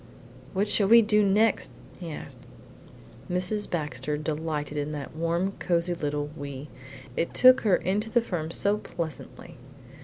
"What shall we do next?" he asked. Mrs. Baxter delighted in that warm, cosy little 'WE;' it took her into the firm so pleasantly.